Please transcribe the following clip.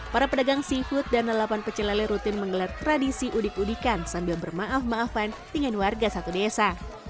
para pedagang seafood dan lelapan pecelele rutin menggelar tradisi udik udikan sambil bermaaf maafan dengan warga satu desa